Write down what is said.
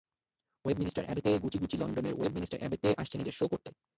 Web minister অ্যাবেতে গুচিগুচি লন্ডনের ওয়েব মিনিস্টার অ্যাবেতে আসছে নিজের শো করতে।